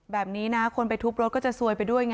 แบบนี้นะคนไปทุบรถก็จะซวยไปด้วยไง